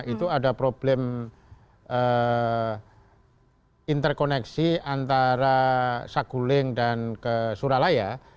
itu ada problem interkoneksi antara saguling dan ke suralaya